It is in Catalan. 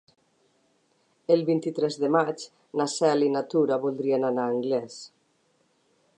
El vint-i-tres de maig na Cel i na Tura voldrien anar a Anglès.